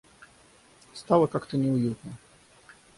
Стало как-то неуютно.